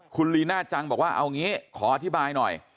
คุณลีน่าจังบอกว่าเอางี้ขออธิบายหน่อย